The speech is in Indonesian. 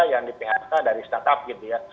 yang di phk dari startup gitu ya